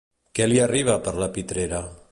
Què li arriba per la pitrera?